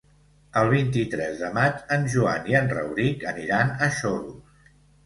El vint-i-tres de maig en Joan i en Rauric aniran a Xodos.